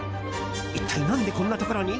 一体何でこんなところに？